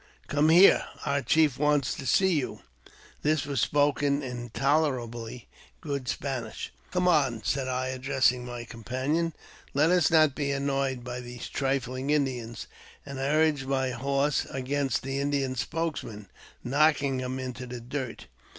Come here ! our chief wants to see you." This was spoken in tolerably good Spanish. " Come on," said I, addressing my companion ; "let us not be annoyed by these trifling Indians ;" and I urged my horse against the Indian spokesman, knocking him into the dirt.